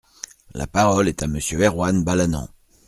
La parole est à Monsieur Erwan Balanant.